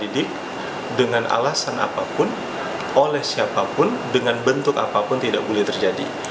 didik dengan alasan apapun oleh siapapun dengan bentuk apapun tidak boleh terjadi